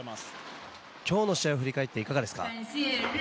今日の試合を振り返っていかがでしたか？